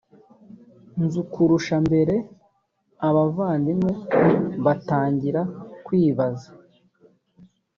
nzu kurusha mbere abavandimwe batangira kwibaza